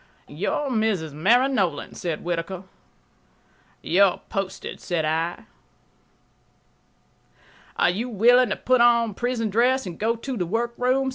"You're Mrs. Mary Nolan," said Whittaker. "You're posted," said I. "Are you willing to put on prison dress and go to the workroom?"